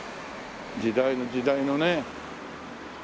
時代の時代のね。